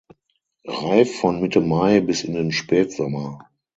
Reif von Mitte Mai bis in den Spätsommer.